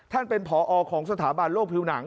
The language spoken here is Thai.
ท่านเป็นผอของสถาบันโลกผิวหนัง